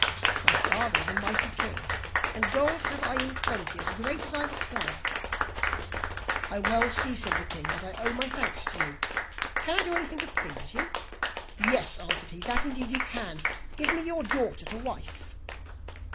'My father is a mighty king, and gold have I in plenty as great as I require.' 'I well see,' said the king, 'that I owe my thanks to you; can I do anything to please you?' 'Yes,' answered he, 'that indeed you can. Give me your daughter to wife.